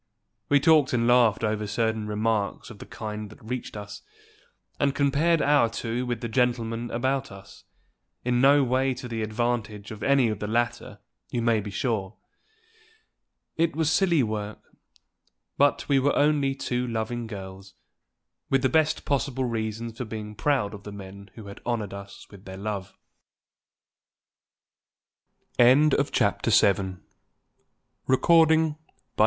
We talked and laughed over certain remarks of the kind that reached us, and compared our two with the gentlemen about us, in no way to the advantage of any of the latter, you may be sure. It was silly work; but we were only two loving girls, with the best possible reasons for being proud of the men who had honored us with their love. CHAPTER VIII. CONNIE'S BABY.